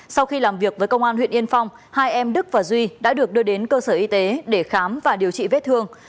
sau khi làm việc với công an huyện yên phong hai em đức và duy đã được đưa đến cơ sở y tế để khám và điều trị vết thương